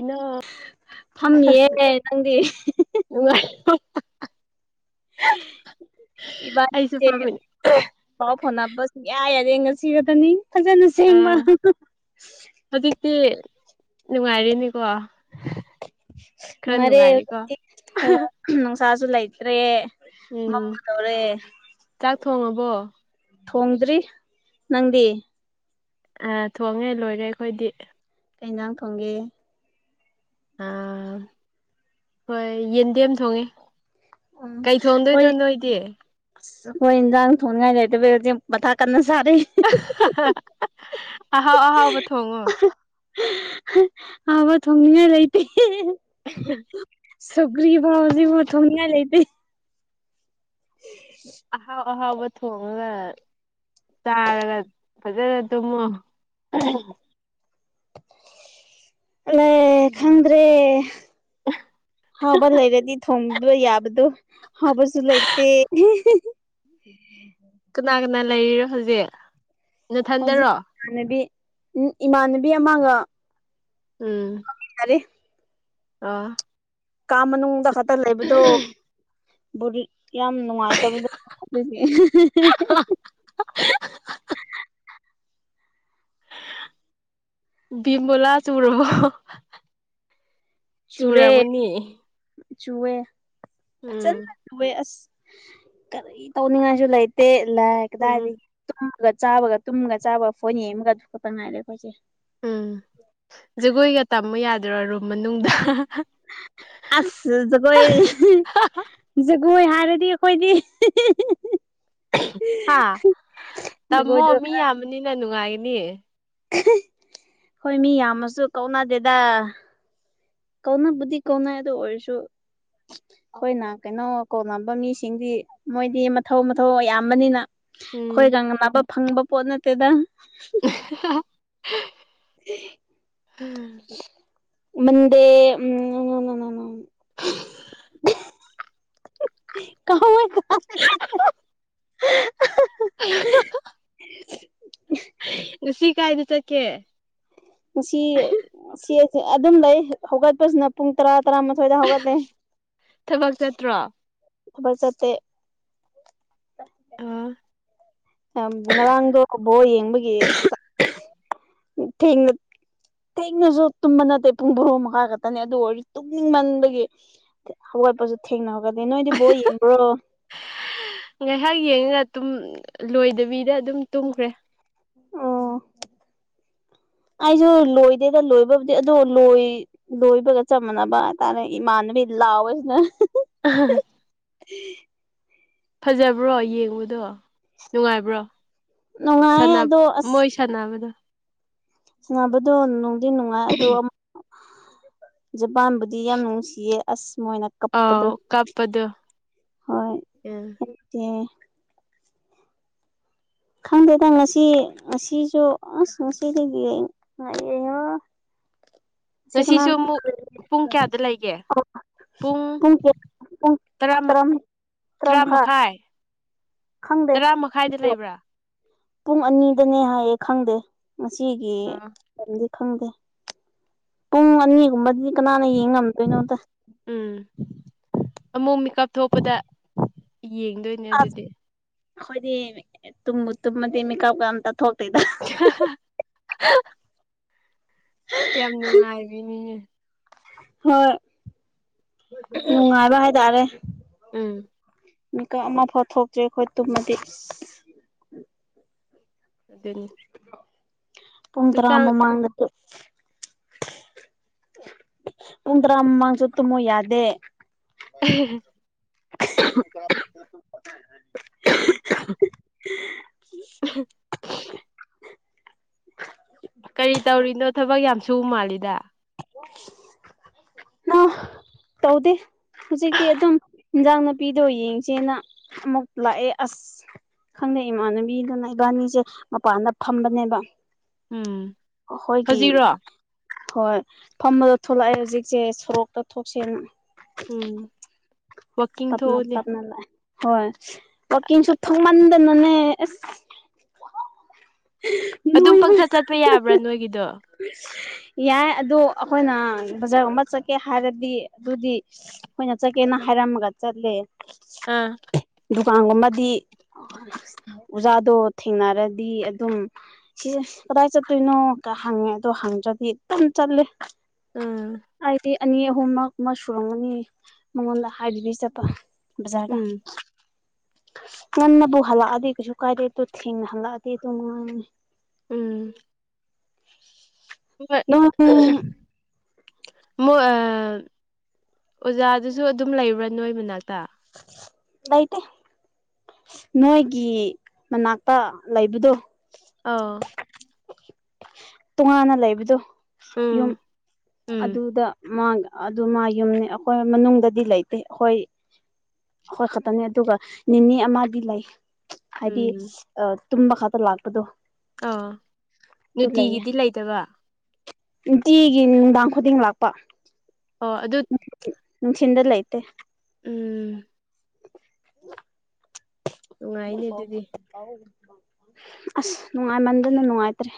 ꯏꯅꯥꯎ ꯐꯝꯃꯤꯌꯦ ꯅꯪꯗꯤ ꯅꯨꯡꯉꯥꯏ [unintelligible] ꯑꯩꯁꯨ ꯏꯕꯥꯟꯅꯤꯁꯦ ꯐꯝꯃꯤꯅꯦ ꯄꯥꯎ ꯐꯥꯎꯅꯕ ꯁꯨꯡꯌꯥ ꯌꯥꯗꯦ ꯉꯁꯤ ꯈꯠꯇꯅꯤ ꯐꯖꯅ ꯑ ꯁꯦꯡꯕ꯫ ꯍꯧꯖꯤꯛꯇꯤ ꯅꯨꯡꯉꯥꯏꯔꯦꯅꯦꯀꯣ ꯅꯨꯡꯉꯥꯏꯔꯦ ꯍꯧꯖꯤꯛꯇꯤ ꯍꯣꯢ ꯅꯨꯡꯁꯥꯁꯨ ꯂꯩꯇ꯭ꯔꯦ ꯎꯝ ꯃꯝꯒꯗꯧꯔꯦ ꯆꯥꯛ ꯊꯣꯡꯉꯕꯣ ꯊꯣꯡꯗ꯭ꯔꯤ ꯅꯪꯗꯤ ꯑꯥ ꯊꯣꯡꯉꯦ ꯂꯣꯏꯔꯦ ꯑꯩꯈꯣꯏꯗꯤ ꯀꯩ ꯏꯟꯖꯥꯡ ꯊꯣꯡꯒꯦ ꯑꯥ ꯍꯣꯏ ꯌꯦꯟꯗꯦꯝ ꯊꯣꯡꯉꯤ ꯑ ꯍꯣꯢꯠ ꯍꯣꯏ ꯏꯟꯖꯥꯡ ꯊꯣꯅꯤꯉꯥꯢ ꯂꯩꯇꯕꯩ ꯍꯧꯖꯤꯛ ꯃꯊꯥ ꯀꯟꯅ ꯁꯔꯤ [unintelligible] ꯑꯍꯥꯎ ꯑꯍꯥꯎꯕ ꯊꯣꯡꯉꯣ [unintelligible] ꯑꯍꯥꯎꯕ ꯊꯣꯡꯅꯤꯡꯉꯥꯢ ꯂꯩꯇꯦ [unintelligible] ꯎ [unintelligible] ꯁꯧꯒ꯭ꯔꯤ ꯐꯥꯎꯖꯤ [unintelligible] ꯂꯩꯇꯦ ꯎ [unintelligible] ꯑꯍꯥꯎ ꯑꯍꯥꯎꯕ ꯊꯣꯡꯉꯒ ꯆꯥꯔꯒ ꯐꯖꯅ ꯇꯨꯝꯃꯣ ꯑꯂꯦ ꯈꯪꯗ꯭ꯔꯦ ꯍꯥꯎꯕꯜ ꯂꯩꯔꯗꯤ ꯊꯣꯡꯕ ꯌꯥꯕꯗꯣ ꯑꯍꯥꯎꯕꯁꯨ ꯂꯩꯇꯦ [inaudible] ꯀꯅꯥ ꯀꯅꯥ ꯂꯩꯔꯤꯔꯣ ꯍꯧꯖꯤꯛ ꯍꯧꯖꯤꯛ ꯅꯊꯟꯗꯔꯣ ꯏꯃꯅꯕꯤ ꯎꯝ ꯏꯃꯥꯟꯅꯕꯤ ꯑꯃꯒ ꯎꯝ ꯌꯥꯔꯦ ꯑꯥ ꯀꯥ ꯃꯅꯨꯡꯗ ꯈꯛꯇ ꯂꯩꯕꯗꯣ ꯕꯨꯔꯤ ꯌꯥꯝ ꯅꯨꯡꯉꯥꯏꯇꯕꯗꯣ ꯗꯨꯒꯤ [unintelligible] ꯕꯤꯕꯨꯟꯂ ꯆꯔꯕꯨ ꯆꯨꯔꯦ ꯆꯨꯑꯦ ꯐꯖꯅ ꯎꯝ ꯆꯨꯋꯦ ꯑꯁ ꯀꯔꯤ ꯇꯧꯅꯤꯡꯉꯥꯏꯁꯨ ꯂꯩꯇꯦ ꯂꯩ ꯎꯝ ꯀꯗꯥꯏꯗꯤ ꯇꯨꯝꯃꯒ ꯆꯥꯕꯒ ꯇꯨꯝꯃꯒ ꯆꯥꯕꯒ ꯐꯣꯟ ꯌꯦꯡꯃꯒ ꯑꯗꯨ ꯈꯛꯇꯪ ꯉꯥꯏꯔꯦ ꯑꯩꯈꯣꯏꯁꯦ ꯎꯝ ꯖꯒꯣꯏꯒ ꯇꯝꯃꯨ ꯌꯥꯗ꯭ꯔꯣ ꯔꯨꯝ ꯃꯅꯨꯡꯗ ꯑꯁ ꯖꯒꯣꯏ [unintelligible] ꯖꯒꯣꯏ ꯍꯥꯏꯔꯗꯤ ꯑꯩꯈꯣꯏꯗꯤ [unintelligible] ꯍꯥ ꯇꯝꯃꯣ ꯖꯒꯣꯏꯗꯣ ꯃꯤ ꯌꯥꯝꯕꯅꯤꯅ ꯅꯨꯡꯉꯥꯏꯅꯤ ꯍꯣꯏ ꯃꯤ ꯌꯥꯝꯃꯁꯨ ꯀꯧꯅꯗꯦꯗ ꯀꯧꯅ ꯕꯨꯗꯤ ꯀꯧꯅ ꯑꯗꯨ ꯑꯣꯏꯔꯁꯨ ꯑꯩꯈꯣꯏꯅ ꯀꯩꯅꯣ ꯀꯧꯅꯕ ꯃꯤꯁꯤꯡꯗꯤ ꯃꯣꯏꯗꯤ ꯃꯊꯧ ꯃꯊꯧ ꯑꯌꯥꯝꯕꯅꯤꯅ ꯎꯝ ꯑꯩꯈꯣꯏꯒ ꯉꯅꯕ ꯐꯪꯕ ꯄꯣꯠ ꯅꯠꯇꯦꯗ [unintelligible] [inaudible] ꯃꯟꯗꯦ ꯎꯝ ꯎꯅꯅ ꯀꯥꯎꯋꯦ [unintelligible] ꯑ [unintelligible] ꯅꯨꯡꯁꯤ ꯀꯥꯏꯗ ꯆꯠꯀꯦ ꯉꯁꯤ ꯁꯤꯁ ꯑꯗꯨꯝ ꯂꯩ ꯍꯧꯒꯠꯄꯁꯤꯅ ꯄꯨꯡ ꯇꯔꯥ ꯇꯔꯥꯃꯥꯊꯣꯏꯗ ꯍꯧꯒꯠꯂꯦ ꯊꯕꯛ ꯆꯠꯇ꯭ꯔꯣ ꯊꯕꯥꯛ ꯆꯠꯇꯦ ꯑꯥ ꯑꯥꯝ ꯉꯔꯥꯡꯗꯣ ꯀꯕꯣꯜ ꯌꯦꯡꯕꯒꯤ ꯑꯁ ꯆꯠ ꯊꯦꯡꯅ ꯊꯦꯡꯅꯖꯨ ꯇꯨꯝꯕ ꯅꯠꯇꯦ ꯄꯨꯡ ꯕꯔꯣ ꯃꯈꯥꯏ ꯈꯛꯇꯅꯦ ꯑꯗꯨ ꯑꯣꯏꯔꯖꯨ ꯇꯨꯝꯅꯤꯡꯃꯟꯕꯒꯤ ꯍꯧꯒꯠꯄꯖꯨ ꯊꯦꯡꯅ ꯍꯧꯒꯠꯂꯤ ꯅꯣꯏꯗꯤ ꯕꯣꯜ ꯌꯦꯡꯕ꯭ꯔꯣ ꯉꯥꯏꯍꯥꯛ ꯌꯦꯡꯉꯒ ꯑꯗꯨꯝ ꯂꯣꯏꯗꯕꯤꯗ ꯑꯗꯨꯝ ꯇꯨꯝꯈ꯭ꯔꯦ [inaudible] ꯑꯩꯖꯨ ꯂꯣꯏꯗꯦꯗ ꯂꯣꯏꯕꯕꯨꯗꯤ ꯑꯗꯨ ꯂꯣꯏ ꯂꯣꯏꯕꯒ ꯆꯞ ꯃꯥꯟꯅꯕ ꯍꯥꯏꯇꯥꯔꯦ ꯏꯃꯥꯟꯅꯕꯤ ꯂꯥꯎꯑꯣꯁꯤꯅ [unintelligible] [unintelligible] ꯐꯖꯕ꯭ꯔꯣ ꯌꯦꯡꯕꯗꯣ ꯅꯨꯡꯉꯥꯏꯕ꯭ꯔꯣ ꯅꯨꯡꯉꯥꯏꯌꯦ ꯁꯅꯞ ꯑꯗꯣ ꯑꯁ ꯃꯣꯏ ꯁꯅꯥꯕꯗꯣ ꯁꯥꯟꯅꯕꯗꯣ ꯅꯨꯡꯗꯤ ꯅꯨꯡꯉꯥꯏ ꯑꯗꯣꯝ ꯖꯄꯥꯟꯕꯨꯗꯤ ꯌꯥꯝ ꯅꯨꯡꯁꯤꯌꯦ ꯑꯁ ꯃꯣꯏꯅ ꯀꯞꯄꯗ ꯑꯥꯎ ꯀꯞꯄꯗꯣ ꯍꯣꯏ ꯎꯝ ꯑꯠꯇꯦ ꯈꯪꯗꯦꯗ ꯉꯁꯤ ꯉꯁꯤꯁꯨ ꯑꯁ ꯉꯁꯤꯗꯤ ꯌꯦꯡꯉꯛ [unintelligible] ꯉꯁꯤꯁꯨ ꯑꯃꯨꯛ ꯄꯨꯡ ꯀꯌꯥꯗ ꯂꯩꯒꯦ ꯄꯨꯡ ꯀꯌꯥ ꯄꯨꯡ ꯇꯔꯥꯃ ꯇꯔꯥ ꯇ꯭ꯔꯥ ꯃꯈꯥꯏ ꯈꯪꯗꯦ ꯇꯔꯥ ꯃꯈꯥꯏꯗ [unintelligible] ꯂꯩꯕ꯭ꯔꯥ ꯄꯨꯡ ꯑꯅꯤꯗꯅꯦ ꯍꯥꯏꯌꯦ ꯈꯪꯗꯦ ꯃꯁꯤꯒꯤ ꯑꯥ [unintelligible] ꯈꯪꯗꯦ ꯄꯨꯡ ꯑꯅꯤꯒꯨꯝꯕꯗꯨꯗꯤ ꯀꯅꯥꯅ ꯌꯦꯡ ꯉꯝꯗꯣꯏꯅꯣꯗ ꯎꯝ ꯑꯃꯨꯛ ꯃꯤꯀꯞ ꯊꯣꯛꯄꯗ ꯌꯦꯡꯗꯣꯏꯅꯦ ꯑꯗꯨꯗꯤ ꯑꯈꯣꯏꯗꯤ ꯇꯨꯝꯕꯨ ꯇꯨꯝꯃꯗꯤ ꯃꯦꯀꯞꯀ ꯑꯝꯇ ꯊꯣꯛꯇꯦꯗ [unintelligible] ꯀꯌꯥꯝ ꯅꯨꯡꯉꯥꯏꯔꯤꯅꯤꯅꯦ ꯍꯣꯏ ꯅꯨꯡꯉꯥꯏꯕ ꯍꯥꯏꯇꯥꯔꯦ ꯎꯝ ꯃꯤꯀꯛ ꯑꯃꯐꯥꯎ ꯊꯣꯛꯇ꯭ꯔꯦ ꯑꯈꯣꯏ ꯇꯨꯝꯃꯗꯤ ꯑꯗꯨꯅꯤ ꯄꯨꯡ ꯇꯔꯥ ꯍꯛꯆꯥꯡ ꯃꯃꯥꯡꯗꯗꯤ ꯄꯨꯡ ꯇꯔꯥ ꯃꯃꯥꯡꯁꯨ ꯇꯨꯝꯃꯨ ꯌꯥꯗꯦ [unintelligible] [unintelligible] [unintelligible] ꯀꯔꯤ ꯇꯧꯔꯤꯅꯣ ꯊꯕꯛ ꯌꯥꯝ ꯁꯨ ꯃꯥꯜꯂꯤꯗ ꯅ ꯇꯧꯗꯦ ꯍꯧꯖꯤꯛꯇꯤ ꯑꯗꯨꯝ ꯏꯟꯖꯥꯡ ꯅꯥꯄꯤꯗꯣ ꯌꯦꯡꯁꯦꯅ ꯑꯃꯨꯛ ꯂꯥꯛꯑꯦ ꯑꯁ ꯍꯪꯗꯦ ꯏꯃꯥꯟꯅꯕꯤꯗꯨꯅ ꯏꯕꯥꯅꯤꯁꯦ ꯃꯄꯥꯟꯗ ꯐꯝꯕꯅꯦꯕ ꯎꯝ ꯑꯍꯣꯏꯒꯤ ꯍꯧꯖꯤꯛꯔꯣ ꯍꯣꯏ ꯐꯝꯃꯗꯣ ꯊꯣꯛꯂꯛꯑꯦ ꯍꯨꯖꯤꯛꯁꯦ ꯁꯣꯔꯣꯛꯇ ꯊꯣꯛꯁꯦꯅ ꯎꯝ ꯋꯥꯛꯀꯤꯡ ꯇꯞꯅ ꯊꯣꯛꯎꯅꯦ ꯇꯞꯅ ꯂꯥꯛꯑꯦ ꯍꯣꯏ ꯋꯥꯀꯤꯡ ꯁꯨ ꯊꯣꯛꯃꯟꯗꯅꯅꯦ ꯑꯁ [unintelligible] ꯑꯗꯨꯝ ꯄꯪꯆꯠ ꯆꯠꯄ ꯌꯥꯕ꯭ꯔꯥ ꯅꯣꯏꯒꯤꯗꯣ ꯌꯥꯏ ꯑꯗꯣ ꯑꯈꯣꯏꯅ ꯕꯖꯥꯔꯒꯨꯝꯕ ꯆꯠꯀꯦ ꯍꯥꯏꯔꯗꯤ ꯑꯗꯨꯗꯤ ꯑꯈꯣꯏꯅ ꯆꯠꯀꯦꯅ ꯍꯥꯏꯔꯝꯃꯒ ꯆꯠꯂꯦ ꯑꯥ ꯗꯨꯀꯥꯟꯒꯨꯝꯕꯗꯤ ꯑꯣꯖꯥꯗꯣ ꯊꯦꯡꯅꯔꯗꯤ ꯑꯠ ꯑꯗꯨꯝ ꯁꯤꯖꯦ ꯀꯗꯥꯏ ꯆꯠꯇꯣꯏꯅꯣ ꯒ ꯍꯪꯉꯦ ꯑꯗꯣ ꯍꯪꯗ꯭ꯔꯗꯤ ꯑꯨꯝ ꯆꯠꯂꯦ꯫ ꯎꯝ ꯑꯩꯗꯤ, ꯑꯅꯤ ꯑꯍꯨꯝꯃꯛ ꯃ ꯁꯨꯔꯝꯒꯅꯤ ꯃꯉꯣꯟꯗ ꯍꯥꯏꯗꯨꯗꯤ ꯆꯠꯄ ꯕꯖꯥꯔꯗ꯫ ꯎꯝ ꯉꯟꯅꯕꯨ ꯍꯜꯂꯛꯑꯗꯤ ꯀꯩꯁꯨ ꯀꯥꯏꯗꯦ ꯇꯨ ꯊꯤꯡꯅ ꯍꯜꯂꯛꯑꯗꯤ ꯑꯗꯨꯝ ꯉꯥꯡꯉꯅꯤ꯫ ꯎꯝ ꯍꯣꯏ [unintelligible] ꯃꯣꯏ ꯑ ꯑꯣꯖꯥꯗꯨꯁꯨ ꯑꯗꯨꯝ ꯂꯩꯕ꯭ꯔꯥ ꯅꯣꯏ ꯃꯅꯥꯛꯇ? ꯂꯩꯇꯦ ꯅꯣꯏꯒꯤ ꯃꯅꯥꯛꯇ ꯂꯩꯕꯗꯣ꯫ ꯑꯥꯎ ꯇꯨꯉꯥꯟꯅ ꯂꯩꯕꯗꯣ ꯌꯨꯝ ꯎꯝ ꯎꯝ ꯑꯗꯨꯗ ꯃꯥ ꯑꯗꯨ ꯃꯥ ꯌꯨꯝꯅꯤ ꯑꯩꯈꯣꯏ ꯃꯅꯨꯡꯗꯗꯤ ꯂꯩꯇꯦ ꯑꯩꯈꯣꯏ, ꯑꯩꯈꯣꯏ ꯈꯛꯇꯅꯤ ꯑꯗꯨꯒ ꯅꯦꯅꯦ ꯑꯃꯗꯤ ꯂꯩ꯫ ꯍꯥꯏꯗꯤ ꯎꯝ ꯇꯨꯝꯕ ꯈꯛꯇ ꯂꯥꯛꯄꯗꯣ꯫ ꯑꯥ ꯑꯗꯨ ꯂꯩꯌꯦ ꯅꯨꯡꯇꯤꯒꯤꯗꯤ ꯂꯩꯇꯕ? ꯅꯨꯡꯇꯤꯒꯤ ꯅꯨꯡꯗꯥꯡ ꯈꯨꯗꯤꯡ ꯂꯥꯛꯄ꯫ ꯑꯣ ꯑꯗꯨ ꯅꯨꯡꯊꯤꯟꯗ ꯂꯩꯇꯦ꯫ ꯎꯝ ꯅꯨꯡꯉꯥꯏꯅꯦ ꯑꯗꯨꯗꯤ [inaudible] ꯑꯁ ꯅꯨꯡꯉꯥꯏꯃꯟꯗꯅ ꯅꯨꯡꯉꯥꯏꯇ꯭ꯔꯦ꯫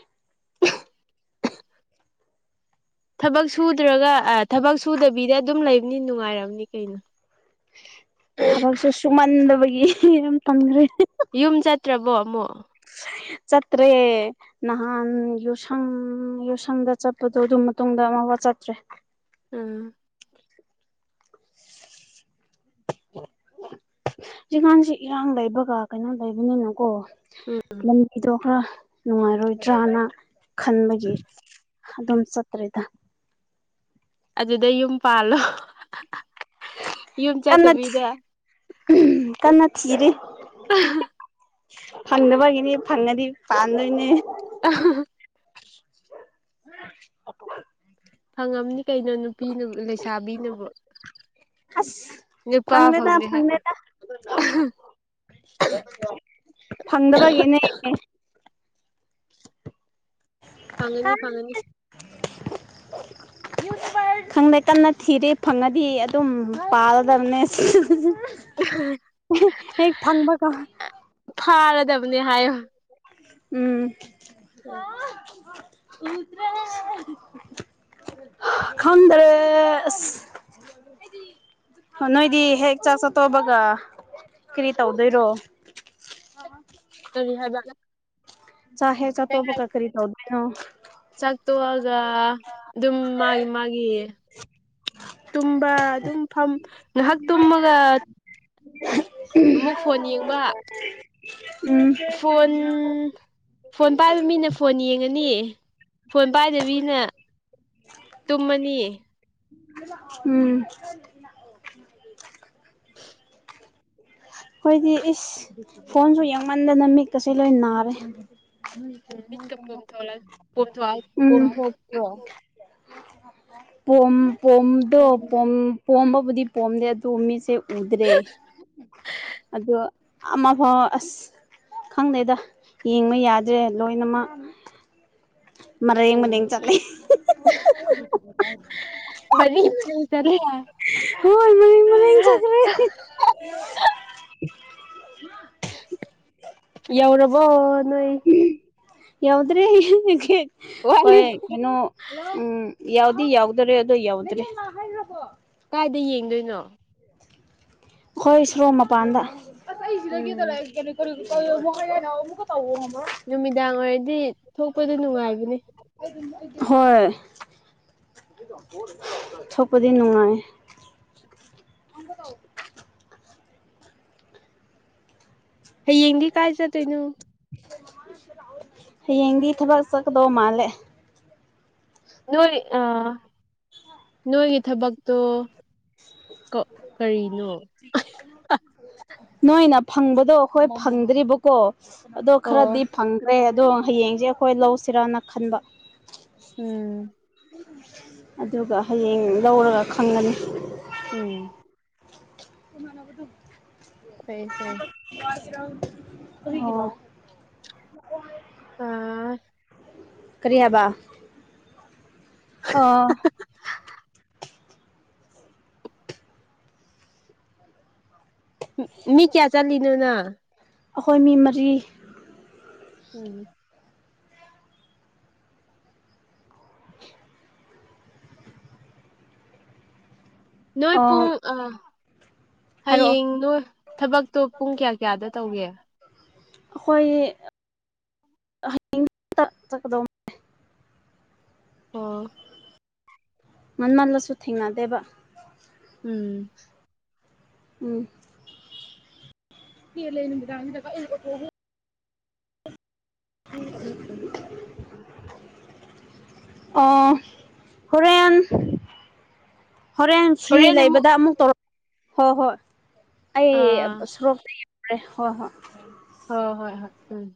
ꯊꯕꯛ ꯁꯨꯗ꯭ꯔꯒ ꯊꯕꯛ ꯁꯨꯗꯕꯤꯗ ꯑꯗꯨꯝ ꯂꯩꯕꯅꯤꯅ ꯅꯨꯡꯉꯥꯏꯔꯜꯅꯤ ꯀꯩꯅꯣ꯫ ꯊꯕꯛꯁꯨ ꯁꯨꯃꯟꯗꯕꯒꯤ ꯌꯥꯝ ꯇꯟꯈ꯭ꯔꯦ꯫ ꯌꯨꯝ ꯆꯠꯇ꯭ꯔꯕꯣ ꯑꯃꯨꯛ? ꯆꯠꯇ꯭ꯔꯦ꯫ ꯅꯍꯥꯟ ꯌꯨꯁꯪ ꯌꯨꯁꯪꯗ ꯆꯠꯄꯗꯣ ꯑꯗꯨ ꯃꯇꯨꯡꯗ ꯑꯃꯕ ꯆꯠꯇ꯭ꯔꯦ꯫ ꯎꯝ ꯍꯧꯖꯤꯛꯒꯥꯟꯁꯤ ꯏꯔꯥꯡ ꯂꯩꯕꯒ ꯀꯩꯅꯣ ꯂꯩꯕꯅꯤꯅꯀꯣ ꯎꯝ ꯂꯝꯕꯤꯗꯣ ꯈꯔ ꯅꯨꯡꯉꯥꯏꯔꯣꯏꯗ꯭ꯔꯅ ꯈꯟꯕꯒꯤ ꯑꯗꯨꯝ ꯆꯠꯇ꯭ꯔꯦꯗ꯫ ꯑꯗꯨꯗ ꯌꯨꯝ ꯄꯥꯜꯂꯣ꯫ ꯌꯨꯝ ꯀꯟꯅ ꯆꯠꯇꯕꯤꯗ ꯀꯟꯅ ꯊꯤꯔꯤ꯫ ꯐꯪꯗꯅꯕꯒꯤꯅꯤ ꯐꯪꯉꯗꯤ ꯄꯥꯟꯗꯣꯏꯅꯦ꯫ [unintelligible] ꯐꯪꯉꯝꯅꯤ ꯀꯩꯅꯣ ꯅꯨꯄꯤꯅꯕꯨ ꯂꯩꯁꯥꯕꯤꯅꯕꯨ꯫ ꯑꯁ ꯅꯨꯄꯥ ꯐꯪꯗꯦꯗ ꯐꯪꯗꯦ ꯍꯥꯏ ꯐꯪꯗꯦꯗ꯫ ꯐꯪꯗꯕꯒꯤꯅꯦ꯫ ꯐꯪꯒꯅꯤ ꯐꯪꯒꯅꯤ꯫ ꯈꯪꯗꯦ ꯀꯟꯅ ꯊꯤꯔꯤ ꯐꯪꯉꯗꯤ ꯑꯗꯨꯝ ꯄꯥꯜꯂꯗꯕꯅꯦ꯫ ꯍꯦꯛ ꯐꯪꯕꯒ, ꯐꯥꯔꯗꯕꯅꯤ ꯍꯥꯏꯌꯣ꯫ ꯎꯝ [inaudible] ꯈꯪꯗ꯭ꯔꯦ꯫ ꯑꯣ ꯅꯣꯏꯗꯤ ꯍꯦꯛ ꯆꯥꯛ ꯆꯥ ꯇꯣꯛꯄꯒ ꯀꯔꯤ ꯇꯧꯗꯣꯏꯔꯣ ꯀꯔꯤ ꯍꯥꯏꯕ ꯆꯥ ꯍꯦꯛ ꯆꯥꯛꯇꯣꯛꯄꯒꯥ ꯀꯔꯤ ꯇꯧꯗꯣꯏꯅꯣ ꯆꯥꯛ ꯇꯣꯛꯑꯒ ꯑꯗꯨꯝ ꯃꯥꯒꯤ ꯃꯥꯒꯤ ꯇꯨꯝꯕ ꯑꯗꯨꯝ ꯐꯝ ꯉꯍꯥꯛ ꯇꯨꯝꯃꯒ ꯑꯃꯨꯛ ꯐꯣꯟ ꯌꯦꯡꯕ ꯎꯝ ꯐꯣꯟ ꯐꯣꯟ ꯄꯥꯏꯕ ꯃꯤꯅ ꯐꯣꯟ ꯌꯦꯡꯉꯅꯤ ꯐꯣꯟ ꯄꯥꯏꯗꯕꯤꯅ ꯇꯨꯝꯃꯅꯤ ꯎꯝ [inaudible] ꯑꯩꯈꯣꯏꯗꯤ ꯏꯁ ꯐꯣꯟꯁꯨ ꯌꯦꯡꯃꯟꯗꯅ ꯃꯤꯠꯀꯁꯤ ꯂꯣꯏ ꯅꯥꯔꯦ ꯃꯤꯠꯀ ꯄꯣꯝꯊꯣꯛꯂꯛ ꯄꯣꯝꯊꯣꯛ ꯎꯝ ꯄꯣꯝꯊꯣꯛꯇ꯭ꯔꯣ ꯄꯣꯝ ꯄꯣꯝ ꯗꯣ ꯎꯝ ꯄꯣꯝ ꯄꯣꯝꯕꯕꯨꯗꯤ ꯄꯣꯝꯗꯦ ꯑꯗꯨꯕꯨ ꯃꯤꯠꯁꯦ ꯎꯗ꯭ꯔꯦ ꯑꯗꯨꯒ ꯑꯃꯐꯥꯎ ꯑꯁ ꯈꯪꯗꯦꯗ ꯌꯦꯡꯕ ꯌꯥꯗ꯭ꯔꯦ ꯂꯣꯏꯅꯃꯛ [inaudible] ꯃꯔꯦꯡ ꯃꯔꯦꯡ ꯆꯠꯂꯦ ꯃꯔꯦꯡ ꯃꯔꯦꯡ ꯆꯠꯂꯦ ꯍꯣꯏ ꯃꯔꯦꯡ ꯃꯔꯦꯡ ꯆꯠꯈ꯭ꯔꯦ [inaudible] ꯌꯧꯔꯕꯣ ꯅꯣꯏ ꯎꯝ ꯌꯧꯗ꯭ꯔꯤ [unintelligible] ꯋꯥꯠꯂꯤ ꯍꯣꯏ ꯀꯩꯅꯣ ꯎꯝ ꯌꯧꯗꯤ ꯌꯧꯗꯣꯔꯦ ꯑꯗꯣ ꯌꯧꯗ꯭ꯔꯤ ꯍꯥꯏꯒ꯭ꯔꯕꯣ ꯀꯥꯏꯗ ꯌꯦꯡꯗꯣꯏꯅꯣ ꯑꯈꯣꯏ ꯁꯣꯔꯣꯛ ꯃꯄꯥꯟꯗ ꯎꯝ [unintelligible] ꯇꯜꯂꯨꯅꯨ ꯍꯣꯔꯦꯟ ꯑꯃꯨꯛꯀ ꯇꯧꯋꯣ ꯉꯝꯃꯔꯣꯏ ꯅꯨꯃꯤꯗꯥꯡ ꯑꯣꯏꯔꯗꯤ ꯊꯣꯛꯄꯗꯣ ꯅꯨꯡꯉꯥꯏꯕꯅꯦ ꯍꯣꯏ ꯊꯣꯛꯄꯗꯤ ꯅꯨꯡꯉꯥꯏ ꯑꯃꯨꯛꯀ ꯇꯧ ꯍꯌꯦꯡꯗꯤ ꯀꯥꯏ ꯆꯠꯇꯣꯏꯅꯣ ꯍꯌꯦꯡꯗꯤ ꯊꯕꯛ ꯆꯠꯀꯗꯧꯕ ꯃꯥꯜꯂꯦ ꯅꯣꯏ ꯑꯥ ꯅꯣꯏꯒꯤ ꯊꯕꯛꯇꯣ ꯀ ꯀꯔꯤꯅꯣ ꯅꯣꯏꯅ ꯐꯪꯕꯗꯣ ꯑꯈꯣꯏ ꯐꯪꯗ꯭ꯔꯤꯕꯀꯣ ꯑꯗꯣ ꯑꯣ ꯈꯔꯗꯤ ꯐꯪꯈ꯭ꯔꯦ ꯑꯗꯣ ꯍꯌꯦꯡꯖꯦ ꯑꯈꯣꯏ ꯂꯧꯁꯤꯔꯅ ꯈꯟꯕ ꯎꯝ ꯑꯗꯨꯒ ꯍꯌꯦꯡ ꯂꯧꯔꯒ ꯈꯪꯉꯅꯤ ꯎꯝ ꯇꯣꯉꯥꯟꯅꯕꯗꯨ ꯐꯩ ꯐꯩ [unintelligible] ꯑꯣ ꯑꯥ ꯀꯔꯤꯍꯥꯏꯕ ꯑꯣ [inaudible] ꯃꯤ ꯀꯌꯥ ꯆꯠꯂꯤꯅꯣ ꯅꯪ ꯑꯩꯈꯣꯏ ꯃꯤ ꯃꯔꯤ ꯎꯝ ꯅꯣꯏ ꯑꯥ ꯄꯨꯡ ꯑꯥ ꯍꯥꯏꯔꯛꯑꯣ ꯍꯌꯦꯡꯗꯣ ꯊꯕꯛꯇꯣ ꯄꯨꯡ ꯀꯌꯥ ꯀꯌꯥꯗ ꯇꯧꯒꯦ ꯑꯩꯈꯣꯢ ꯍꯌꯦꯡ [unintelligible] [unintelligible] ꯑꯣ ꯉꯥꯟꯃꯜꯂꯁꯨ ꯊꯦꯡꯅꯗꯦꯕ ꯎꯝ ꯎꯝ ꯄꯦꯜꯂꯦ ꯅꯨꯃꯤꯗꯥꯟꯁꯤꯗ ꯀꯩ ꯑꯣꯇꯣꯅꯣ ꯎꯝ ꯎꯝ ꯎꯝ [inaudible] ꯑꯣ ꯍꯣꯔꯦꯟ ꯍꯣꯔꯦꯟ ꯐ꯭ꯔꯤ ꯂꯩꯕꯗ ꯑꯃꯨꯛ ꯇꯧꯔꯛ ꯍꯣꯏ ꯍꯣꯏ ꯑꯩ ꯑꯥ ꯁꯣꯔꯣꯛꯇ ꯑꯦ ꯍꯣꯏ ꯍꯣꯏ ꯍꯣ ꯍꯣꯏ ꯍꯣꯏ ꯎꯝ